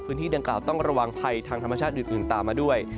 พื้นที่ดังกล่าวต้องระวังภัยทางธรรมชาติอื่นตามมาด้วย